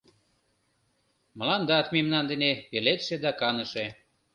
Мландат мемнан дене пеледше да каныше.